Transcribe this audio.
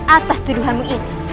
atas tuduhanmu ini